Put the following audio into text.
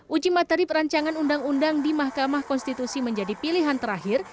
uji materi perancangan undang undang di mahkamah konstitusi menjadi pilihan terakhir